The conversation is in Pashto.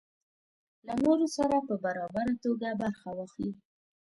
له نورو سره په برابره توګه برخه واخلي.